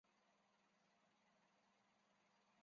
戈达德在液体火箭的研究上取得过很多开创性成果。